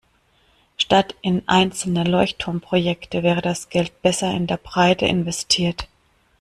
Statt in einzelne Leuchtturmprojekte wäre das Geld besser in der Breite investiert.